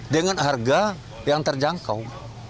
dengan harga yang terjangkau